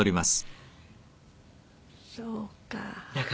そうか。